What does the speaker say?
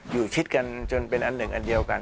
คิดกันจนเป็นอันหนึ่งอันเดียวกัน